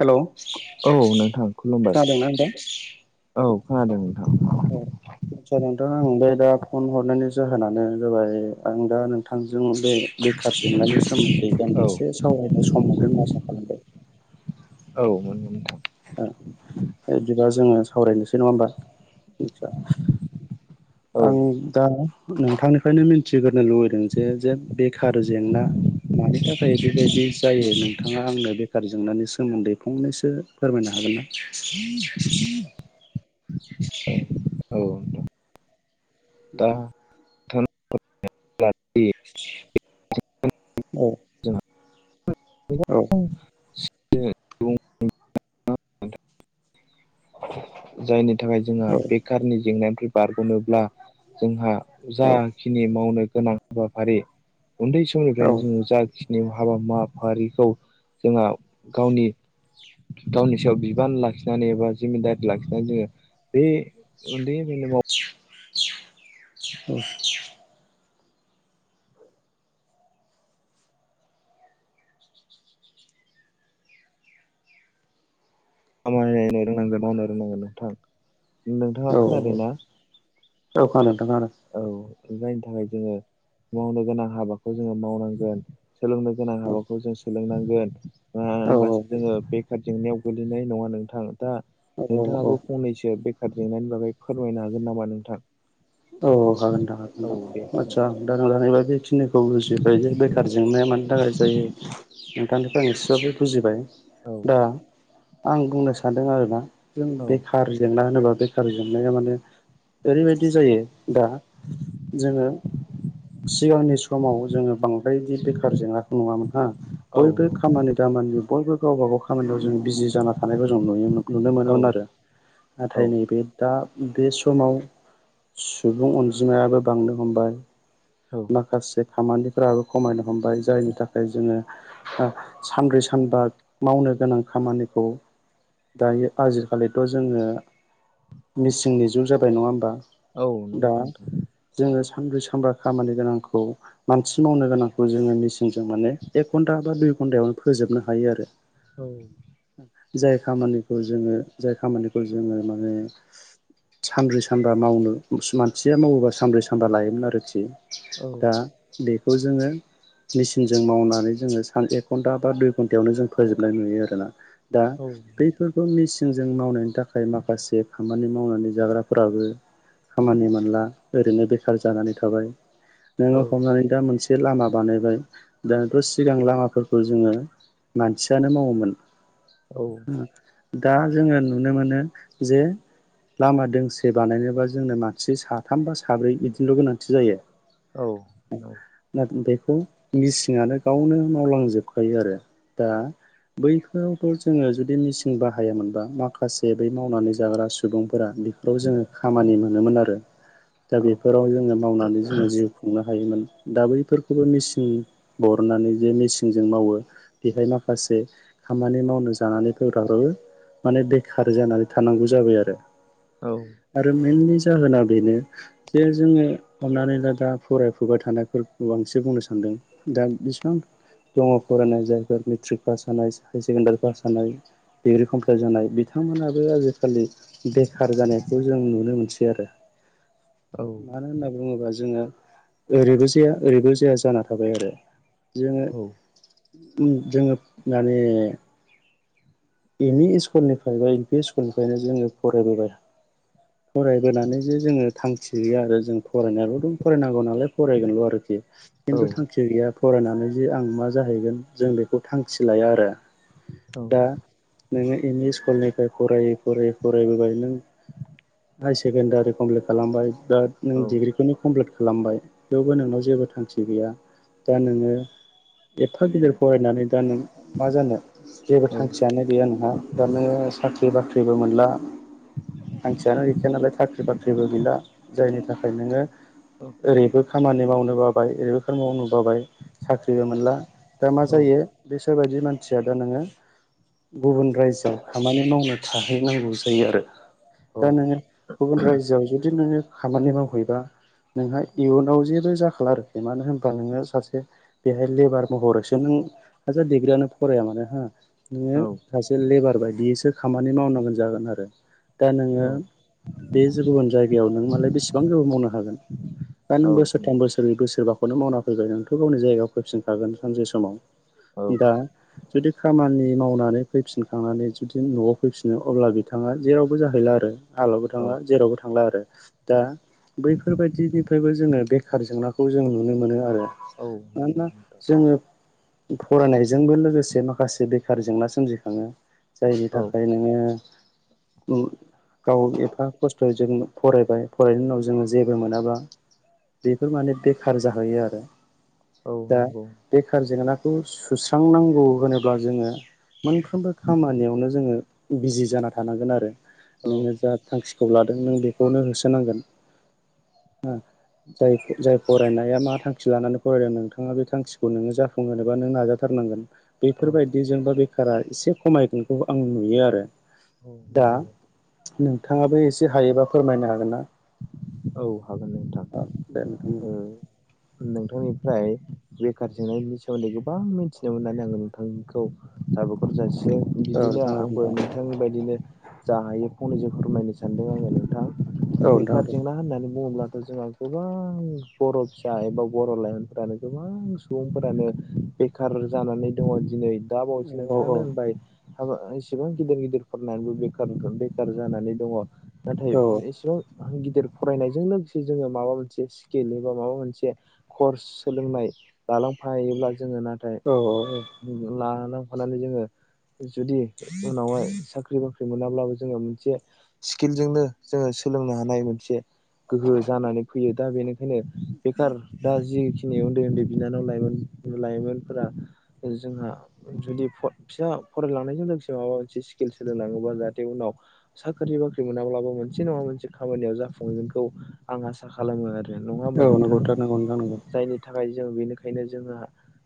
Hello औ नोंथां खुलुमबाय खोनादोंना नोंथां औ खोनादों नोंथां। औ। आदसा नोंथां आं बे दा फन हरनायनि जाहोनानो जाबाय आं दा नोंथांजों बे बेखार जेंनानि सोमोन्दै औ दान्दिसे सावरायनो सम मोनगोन होनना आसा खालामबाय। औ मोनगोन नोंथां। ओ बिदिबा जोङो सावरायनोसै नङा होमबा? औ आं दा नोंथांनिफ्रायनो मिन्थिग्रोनो लुुबैदों जे जे बेखार जेंना मानि थाखाय बेबायदि जायो नोंथाङा आंनो बेखार जेंनायनि सोमोन्दै फंनैसो फोरमायनो हागोन ना? औ नोंथां दा [unintelligible] औ। गोबां [unintelligible] जायनि थाखाय जोंहा औ बेखारनि जेंनाया बारग'नोब्ला जोंहा औ जाखिनि मावनो गोनां हाबाफारि उन्दै औ समनिफ्रायनो जोङो जाखि नि हाबामाफारिखौ जोंहा गावनि थावनि सायाव बिबान लाखिनानै एबा जिमिदारि लाखिनानै जोङो बे उन्दै औ। खामानि नायनो रोंनांगोन मावनो रोंनांगोन नोंथां। नोंथाङा औ खोनादों ना औ खोनादों नोंथां औ। जायनि थाखाय जोङो मावनो गोनां हाबाखौ जोङो मावनांगोन सोलोंनो गोनां खोनादों हाबाखौ जों सोलोंनांगोन ओआ औ होमबासो औ जोङो बेखार जेंनायाव गो लैनाय ना नोंथां दा औ औ औ नोंथाङाबो फंनैसो बे खार जेंनानि बागै फोरमायनो हागोन नामा नोंथां औ हागोन नोथां औ दे हागोन फोरमाय आतसा दा‌ ओरैबायदि [unintelligible] खिनिखौ बुजिबाय जे बेखार जेंनाया मानि थाखाय जायो नोंथांनिखो आं एसेबाबो बुजिबाय औ दा आं बुंनो सानदों आरोना जों औ बेखार जेंना होनोब्ला बेखार जेंनाया माने ओरैबायदि जायो दा जोङो सिगांनि समाव जोङो बां बायदि बेखार जेंनाखौ नुवामोनहा औ बयबो खामानि दामानि बयबो गावबा गाव खामानियाव जों बिजि जाना थानायखौ जों नुयोमोन नुनो औ मोनोमोन आरो औ नाथाय नैबे दा बे समाव सुबुं अनजिमायाबो बांनो हमबाय औ माखासे खामानिफोराबो खमायनो हमबाय जायनि थाखाय जोङो हा सानब्रै सानबा मावनो गोनां खामानिखौ दायो आजिखालिथ' जोङो मिसिंनि जुग जाबाय नङा होमबा औ दा नंगौ नोंथां जोङो सानब्रै सानबा खामानि गोनांखौ मानसि मावनो गोनांखौ जोङो मिसिनजों माने एक घन्टा बा दुइ घन्टायावनो फोजोबनो हायो आरो औ जाय खामानिखौ जोङो जाय खामानिखौ जोङो माने सानब्रै सानबा मावनो उस मानसिया मावोबा सानब्रै सानबा लायोमोन आरोखि औ दा बेखौ जोङो मेसिनजों मावनानै जोङो सान एक घन्टा बा दुइ घन्टायावनो जों फोजोबनाय नुयो आरो दाना दा औ बैफोरखौ मिसि- नजों मावनायनि थाखाय माखासे खामानि मावनानै जाग्राफोराबो खामानि मोनला ओरैनो बेखार जानानै थाबाय औ नोङो हमनानै दा मोनसे जे लामा बानायबाय दानोथ' सिगां लामाफोरखौ जोङो मानसियानो मावोमोन औ ओ दा जोङो नुनो मोनो जे लामा दोंसे बानायनोबा जोंनो मानसि साथाम बा साब्रै बिदिनोल' गोनांथि जायो औ औ खौ मिसिंआनो गावनो मावलांजोबखायो आरो दा बैफोरावथ' जोङो जुदि मिसिन बाहायामोनबा माखासे बै मावनानै जाग्रा सुबुंफोरा बेफोराव जोङो खामानि मोनोमोन आरो दा बेफोराव जोङो मावनानै जोङो जिउ खुंनो हायोमोन दा बैफोरखौबो मेसिन हरनानै जे मेसिनजों मावो बेहाय माखासे जे खामानि मावनो जानानै [unintelligible] फरफ्राबो माने बेखार जानानै थानांगौ जाबाय आरो आरो मेनलि जाहोना बेनो जे जोङो अन्नानै दा फरायफुबाय थानायफोर बांसिन बुंनो सानदों दा बेसिबां दङ फरायनाय जायफोर मेट्रिक पास जानाय हायार सेकेण्डारि पास जानाय डिग्रि कमप्लिट जानाय बिथां बिथांमोनाबो आजिखालि बेखार जानायखौ जों नुनो मोनसै आरो मानो होनना बुङोब्ला जोङो ओरैबो जाया ओरैबो जाया जाना थाबाय आरो जोङो जोङो माने एम इ स्कुल निफ्राय बा एल पि स्कुल निफ्रायनो जोङो फरायबोबाय फरायबोनानै जे जोङो थांखि गैया आरो जों फरायनायाल' दं फरायनांगौ नालाय फरायगोनल' आरोखि खिन्थु थांखि गैया फरायनानै जे आं मा जाहैगोन जों बेखौ थांखि लाया आरो दा नोङो एम इ स्कुलनिफ्राय फरायै फरायै फरायबोबाय नों [unintelligible] हायार सेकेण्डारि कमप्लिट खालामबाय दा नों औ डिग्रिखौनो कमप्लिट खालामबाय थेवबो नोंनाव जेबो थांखि गैया दा नोङो एफा गिदिर फरायनानै दा नों मा जानो? जेबो औ थांखियानो गैया नोंहा दाना साख्रि बाख्रिबो मोनला। थांखियानो गैखाया नालाय साख्रि बाख्रिबो गैला जायनि थाखाय नोङो औ ओरैबो खामानि मावनो बाबाय ओरैबो खामानि मावनो बाबाय साख्रिबो मोनला दा मा औ जायो बेसोरबादि मानसिया दा नोङो गुबुन रायजोआव खामानि मावनो थाहैनांगौ जायो आरो। दा नोङो गुबुन रायजोआव जुदि नोङो खामानि मावहैबा नोंहा इयुनाव जेबो जाखाला आरोखि मानो होनबा नोङो सासे बेहाय लेबार महरैसो नों हाजार डिग्रियानो फराया मानो हो औ नोङो सासे लेबार बायदियैसो खामानि मावनांगोन जागोन आरो। दा औ नोङो बे गुबुन जायगायाव नों मालाय बेसेबां गोेबाव मावनो हागोन। दा औ नों बोसोरथाम बोसोरनै बोसोरबाखौनो मावना फैबाय नोंथ' गावनि जायगायाव फैफिनखागोन सानसे समाव। दा जुदि खामानि मावनानै फैफिनखांनानै जुदि न'आव फैफिनो अब्ला बिथाङा जेरावबो जाहैला आरो। हालावबो औ थांला जेरावबो थांला आरो दा बैफोरबायदिनिफ्रायबो जोङो बे खार जेंनाखौ जों नुनो मोनो आरो औ नंगौ मानोना नोंथां जोङो फरायनायजोंबो लोगोसे माखासे बे बेखार जेंना सोमजिखाङो जायनि औ थाखाय नोङो गाव एफा खस्थ'यै जों फरायबाय फरायनायनि उनाव जोङो जेबो मोनाबा बेफोर माने बेखार जाहैयो आरो। औ दा नंगौ बेखार जेंनाखौ सुस्रांनांगौ होनोब्ला जोङो मोनफ्रोमबो खामानियावनो जोङो बिजि जाना थानांगोन आरो औ नोङो जा थांखि खौ लादों नों बेखौनो होसोनांगोन हो जाय जाय फरायनाया मा थांखि लानानै फरायदों नोंथाङा बे थांखिखौ नोङो जाफुंहोनोबा नों नाजाथारनांगोन। बेफोरबायदिजोंबा बेखारा एसे खमायगोनखौ आं नुयो आरो। औ दा नंगौ नोंथाङाबो एसे हायोबा फोरमायनो हागोन ना? औ हागोन नोंथां औ दे ओ नोंथां नोंथांनिफ्राइ बेखार जेंनानि सोमोन्दै गोबां मिथिनो मोननानै आङो नोंथांखौ साबायखर जासि नों बिदिनो आंबो नोंथां बायदिनो जा हायो फंनैसो फोरमायनो सानदों आङो नोंथां। औ नोंथां औ नोंथां बेखार दे जेंना होन्नानै बुंओल्बा जोंहा गोबां बर' फिसा एबा बर' लाइमोनफोरानो गोबां सुबुंफोरानो बेखार जानानै दङ। दिनै दा बावैसो औ औ नोंथाङानो होनबाय हाबा एसेबां गिदिर फरायनानैबो बेखार बेखार जानानै दङ। नाथाय औ एसेबां गिदिर फरायनायजों लोगोसे जोङो माबा मोनसे स्किल एबा माबा मोनसे कर्स सोलोंनाय लालांफायोब्ला जोङो नाथाय औ लालांफानानै जोङो जुदि उनावहाय साख्रि बाख्रि मोनाब्लाबो जोङो मोनसे स्किलजोंनो जोङो सोलोंनो हानाय मोनसे गोहो जानानै फैयो दा बेनिखायनो बेखार दा जिखिनियाव उन्दै उन्दै बिनानाव लाइमोन लाइमोनफोरा जोंहा जुदि फिसा फराय नानै लोगोसे माबा मोनसे स्किल सोलों लाङोबा जाहाथे उनाव साख्रि -बाख्रि मोनाब्लाबो मोनसे नङा मोनसे खामानियाव जाफुंहैगोनखौ आं आसा खालामो आरो नङा होमबा औ नंगौ नोंथां थारनांगौ नोंथां जायनि थाखाय थाखाय जों बेनिखायनो जोंहा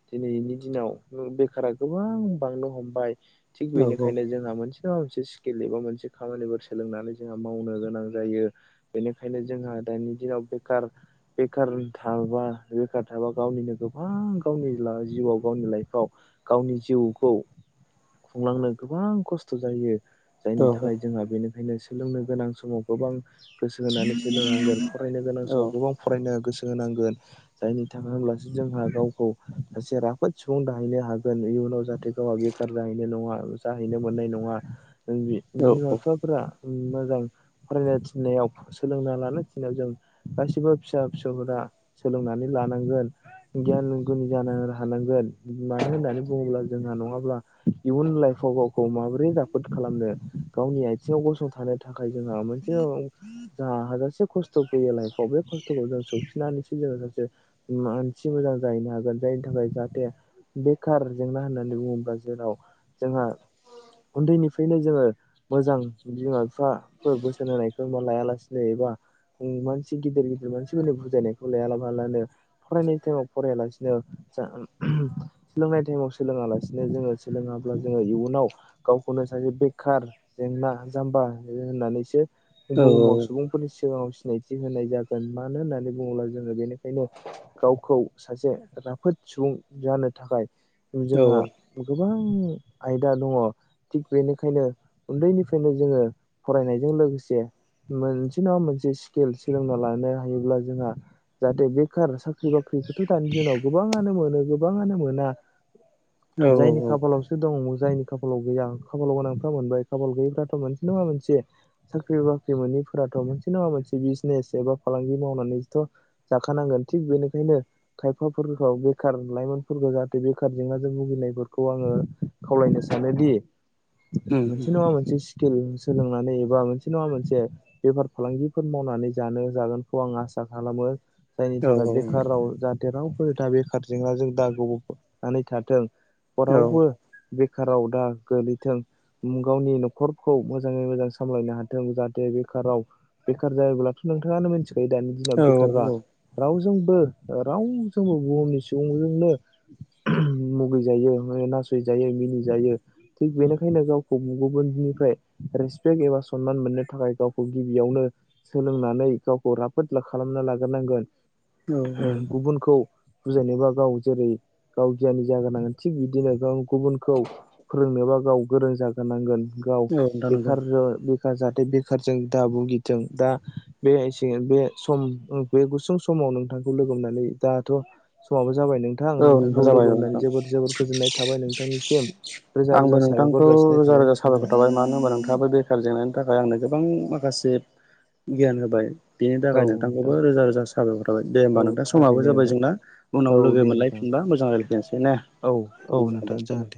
दिनैनि दिनाव बेखारा गोबां बांनो हमबाय। थिग नंगौ बेनिखायनो जोंहा मोनसे नङा मोनसे स्किल एबा मोनसे खामानिफोर सोलोंनानै जोंहा मावनो गोनां जायो बेनिखायनो जोंहा दानि दिनाव बेखार -बेखार थाबा बेखार एबा गावनिनो गोबां गावनि जिउआव गावनि लाइफआव गावनि जिउखौ खुंलांनो गोबां खस्थ' जायो। औ जायनि थाखाय जोंहा बेनिखायनो सोलोंनो गोनां समाव गोबां गोसो होनानै सोलोंनांगोन फरायनो गोनां औ समाव गोबां फरायनो गोसो होनांगोन जायनि थाखाय हब्लासो जोंहा गावखौ सासे राफोद सुबुं दाहैनो हागोन इयुनाव जाहाथे गावहा बेखार जाहैनो नङा जाहैनो मोननाय नङा जोंनि औ बिमा बिफाफ्रा मोजां फरायनाय थिननायाव सोलोंना लानो थिननायाव जों गासिबो फिसा फिसौफोरा सोलोंनानै लानांगोन गियान गुनि जानो हानांगोन मानो होननानै बुङोब्ला जोंहा नङाब्ला इयुन लाइफ खौ गावखौ माबोरै राफोद खालामनो गावनि आथिङाव गसंथानो थाखाय जोंहा मोनसे ओ जोहा हाजासे खस्थ' फैयो लाइफ आ बे खस्त फोरखौ जों सौफसिनानैसो जोङो सासे मानसि मोजां जाहैनो हागोन जायनि थाखाय जाहाथे बेखार जेंना होननानै बुङोब्ला जेराव जोंहा उन्दैनिफ्रायनो जोङो मोजां बिमा बिफा फोर बोसोन होनायखौ लायालासिनो एबा मानसि गिदिर गिदिर मानसिफोरनो बुजायनायखौ लायाबालानो फरायनाय टाइमाव फरायालासिनो सोलोंनाय टाइमाव सोलोङा लासिनो जोङो सोलोङाब्ला जोङो इयुनाव गावखौनो सासे बेखार जेंना जाम्बा होननानैसो औ बुहुमाव उम सुबुंफोरनि सिगाङाव सिनायथि होनाय जागोन मानो होननानै बुङोब्ला जोङो बेनिखायनो गावखौ सासे राफोद सुबुं जानो थाखाय औ जोंहा गोबां आयदा दङ थिग बेनिखायनो उन्दैनिफ्रायनो जोङो फरायनायजों लोगोसे मोनसे नङा मोनसे स्किल सोलोंना लानो हायोब्ला जोंहा जाहाथे बेखार साख्रि बाख्रि साख्रिखौथ' दानि जुनाव गोबाङानो मोनो गोबाङानो मोना औ जायनि खाफालावसो दं जायनि खाफालाव गैया खाफालाव गोनांफ्रा मोनबाय खाफाल गैयैफ्राथ' मोनसे नङा मोनसे साख्रि बाख्रि मोनैफोराथ' मोनसे नङा मोनसे बिजनेस एबा फालांगि मावनानैथ' जाखानांगोन थिग बेनिखायनो खायफाफोरखौ बेखार लाइमोनफोरखौ जाहाथे बेखार जेंनाजों भुगिनायफोरखौ आङो ओ खावलायनो सानोदि मोनसे नङा मोनसे स्किल सोलोंनानै एबा मोनसे नङा मोनसे बेफार फालांगिफोर मावनानै जानो जागोनखौ आं आसा खालामो जायनि थाखाय औ बेखार राव जाहाथे रावबो बेखार जेंनाजों दा गोफबनानै थाथों औ रावबो बेखाराव दा गोलैथों गावनि न'खरखौ मोजांङै मोजां सामलायनो हाथों जाहाथे बेखाराव बेखार जायोब्लाथ' नोंथाङानो मिथिखायो दानि दिनाव बेखारा औ रावजों बो रावजोंबो जोंबो बुहुमनि सुबुंजोंनो मुगैजायो नासय जायो मिनिजायो थिग बेनिखायनो गावखौ गुबुननिफ्राय रेसपेक्ट एबा सनमान मोननो थाखाय गावखौ गिबियावनो सोलोंनानै गावखौ राफोद ला खालाम खालामनो लाग्रोनांगोन गुबुनखौ बुजायनोबा गाव जेरै गाव गियाननि जाग्रोनांगोन थिग बिदिनो गाव गुबुनखौ फोरोंनो गाव गोरों जाग्रोनांगोन गाव नोंथां नंगौ बेखार जो नि जाहाथे बेखारजों दा भुगिदों दा बे से बे सम बे गुसुं सम नोंथांखौ लोगोनानै दाथ समा जाबाय नोंथां औ नोंथां नोंथांखौ जाबाय लोगो औ मोननानै नोंथां जोबोद जोबोद गोजोननाय थाबाय नोंथांनिसिम रोजा आंबो रोजा साबायखर नोंथांखौ जासिनाय रोजा थाबाय रोजा साबायखर नोंथांखौ थाबाय मानो होनोबा नोंथ थांबो बेखार जेंनानि थाखाय आंनो गोबां माखासे गियान होबाय। बेनि औ थाखाय नोंथांखौबो नोंथां रोजा रोजा साबाखर थाबाय दे औ होमबा नोंथां समाबो थारैनो जाबाय नोंथां जोंना उनाव औ लोगो दे मोन नोंथां लायफिनबा मोजां रायलाय फिननोसै ने औ औ उम नोंथां जागोन दे।